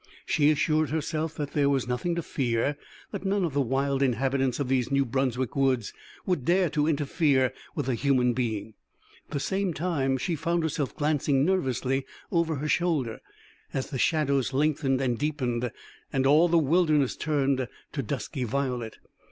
She assured herself that there was nothing to fear, that none of the wild inhabitants of these New Brunswick woods would dare to interfere with a human being. At the same time she found herself glancing nervously over her shoulder, as the shadows lengthened and deepened, and all the wilderness turned to dusky violet.